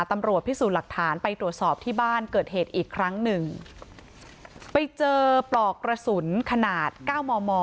ตำรวจพิสูจน์หลักฐานไปตรวจสอบที่บ้านเกิดเหตุอีกครั้งหนึ่งไปเจอปลอกกระสุนขนาดเก้ามอมอ